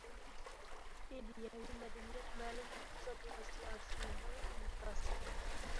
ئىدىيەۋى مەدەنىيەت مەلۇم ئىقتىساد ۋە سىياسىينىڭ ئىنكاسى.